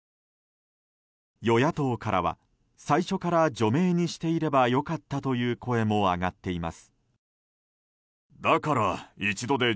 与野党からは最初から除名にしていれば良かったという声も上がっています。